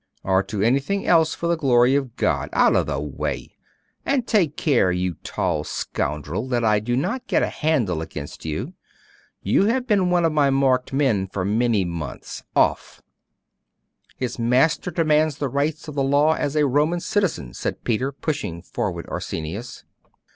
'Or to anything else for the glory of God. Out of the way! And take care, you tall scoundrel, that I do not get a handle against you. You have been one of my marked men for many a month. Off!' 'His master demands the rights of the law as a Roman citizen,' said Peter, pushing forward Arsenius.